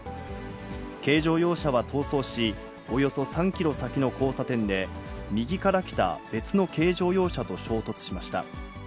軽乗用車は逃走し、およそ３キロ先の交差点で、右から来た別の軽乗用車と衝突しました。